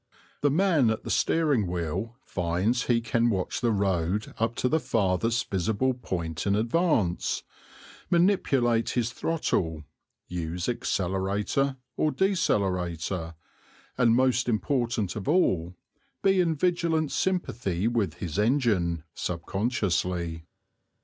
The man at the steering wheel finds that he can watch the road up to the farthest visible point in advance, manipulate his throttle, use accelerator or decelerator, and, most important of all, be in vigilant sympathy with his engine, subconsciously.